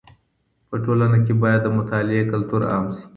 په ټولنه کي بايد د مطالعې کلتور عام سي.